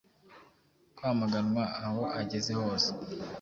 Kwamaganwa aho ageze hose.